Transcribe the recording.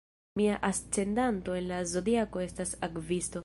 Mia ascendanto en la zodiako estas Akvisto.